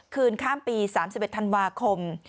ข้ามปี๓๑ธันวาคม